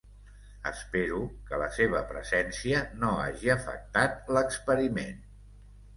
Espero que la seva presència no hagi afectat l"experiment.